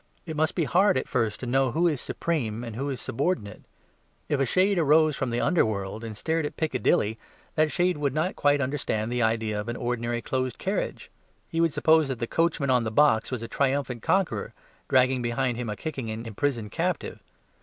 It must be hard at first to know who is supreme and who is subordinate. If a shade arose from the under world, and stared at Piccadilly, that shade would not quite understand the idea of an ordinary closed carriage. He would suppose that the coachman on the box was a triumphant conqueror, dragging behind him a kicking and imprisoned captive.